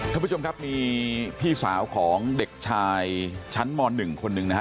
ท่านผู้ชมครับมีพี่สาวของเด็กชายชั้นม๑คนหนึ่งนะฮะ